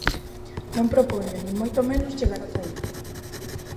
Non propoño, nin moito menos, chegar ata aí.